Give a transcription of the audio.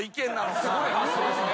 すごい発想ですね。